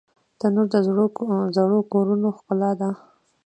تنور د زړو کورونو ښکلا ده